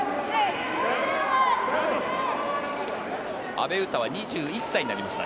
阿部詩は２１歳になりました。